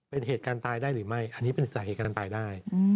เป็นเหตุการณ์ตายได้หรือไม่อันนี้เป็นสาเหตุการณ์ตายได้